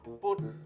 yang bener bu haji